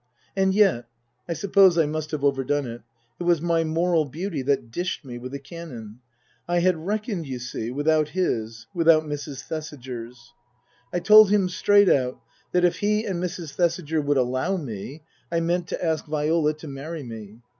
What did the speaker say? And yet (I suppose I must have overdone it) it was my moral beauty that dished me with the Canon. I had reckoned, you see, without his, without Mrs. Thesiger's. I told him straight out that if he and Mrs. Thesiger would allow me, I meant to ask Viola to marry me.